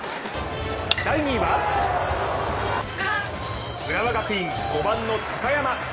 第２位は、浦和学院、５番の高山。